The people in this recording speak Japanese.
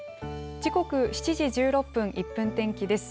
時刻、７時１６分、１分天気です。